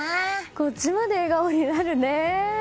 こっちまで笑顔になるね。